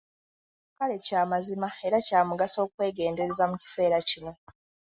Kale kya mazima era kya mugaso okwegendereza mu kiseera kino.